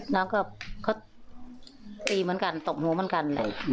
แล้วก็เขาตีเหมือนกันตบหนูเหมือนกัน